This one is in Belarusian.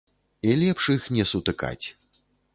І лепш іх не сутыкаць.